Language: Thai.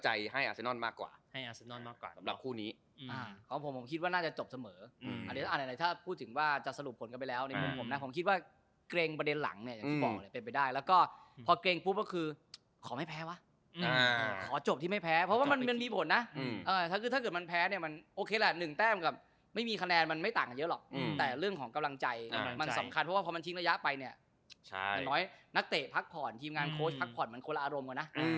อเจมส์อันนี้ถ้าพูดถึงว่าจะสรุปผลกันไปแล้วผมคิดว่าเกร็งประเด็นหลังเนี่ยอย่างที่บอกเลยเป็นไปได้แล้วก็พอเกร็งปุ๊บก็คือขอไม่แพ้วะขอจบที่ไม่แพ้เพราะว่ามันมีผลนะถ้าเกิดมันแพ้เนี่ยมันโอเคแหละ๑แต้มกับไม่มีคะแนนมันไม่ต่างกันเยอะหรอกแต่เรื่องของกำลังใจมันสำคัญเ